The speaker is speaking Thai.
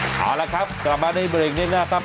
เอาละครับกลับมาในเวลงแน่ครับ